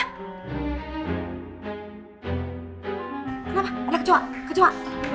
kenapa ada kecoa kecoa